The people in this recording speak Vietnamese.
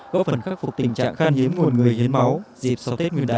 góp phần khắc phục tình trạng khan hiếm nguồn người hiến máu dịp sau tết nguyên đán